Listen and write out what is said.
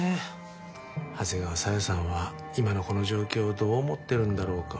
長谷川小夜さんは今のこの状況をどう思ってるんだろうか。